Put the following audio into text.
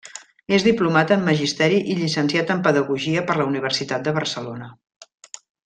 És diplomat en Magisteri i llicenciat en Pedagogia per la Universitat de Barcelona.